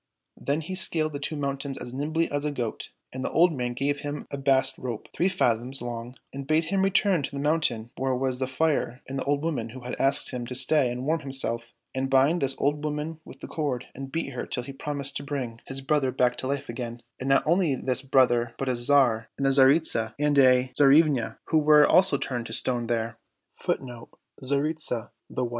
Then he scaled the two mountains as nimbly as a goat, and the old man gave him a bast rope, three fathoms long, and bade him return to the mountain where was the fire and the old woman who had asked him to stay and warm himself, and bind this old woman with the cord and beat her till she promised to bring 212 THE TWO PRINCES his brother back to Hfe again, and not only his brother but a Tsar and a Tsaritsa ^ and a Tsarivna, who were also turned to stone there.